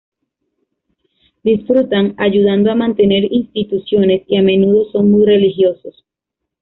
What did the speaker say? Disfrutan ayudando a mantener instituciones y a menudo son muy religiosos.